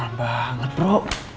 lama banget bro